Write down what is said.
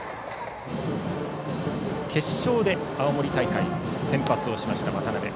決勝で青森大会先発をしました、渡部。